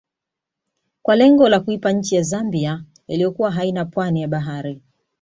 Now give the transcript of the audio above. Kwa lengo la kuipa nchi ya Zambia iliyokuwa haina pwani ya bahari